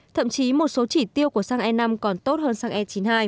thậm chí một số chỉ tiêu của xăng e năm còn tốt hơn xăng e chín mươi hai